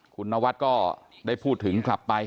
คุณนวัดก็ได้พูดถึงกลับไป